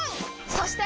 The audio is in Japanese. そして！